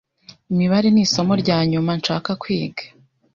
Imibare nisomo ryanyuma nshaka kwiga.